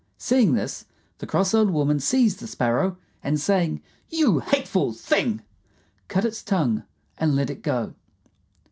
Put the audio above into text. Seeing this, the cross old woman seized the Sparrow and, saying "You hateful thing!" cut its tongue and let it go.